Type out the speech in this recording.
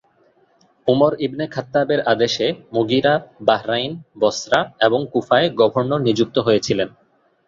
Umar ibn খাত্তাবের আদেশে Mughira Bahrain, বসরা এবং কুফার গভর্নর নিযুক্ত হয়েছিলেন।